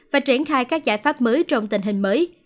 và triển khai các giải pháp mới trong tình hình mới